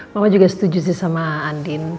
mama juga setuju sih sama andin